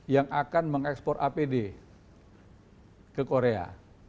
yang akan mengekspor apd ke korea